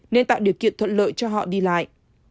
nên tạo điều kiện thuận lợi cho họ đi lại